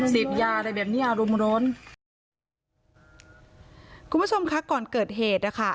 เสพยาอะไรแบบเนี้ยอารมณ์ร้อนคุณผู้ชมคะก่อนเกิดเหตุนะคะ